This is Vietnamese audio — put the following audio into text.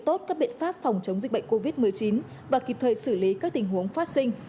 tốt các biện pháp phòng chống dịch bệnh covid một mươi chín và kịp thời xử lý các tình huống phát sinh